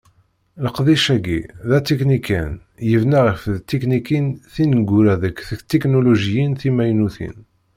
Leqdic-agi, d atiknikan yebna ɣef tiktiwin tineggura deg tetiknulujiyin timaynutin.